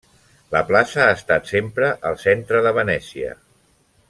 La plaça ha estat sempre el centre de Venècia.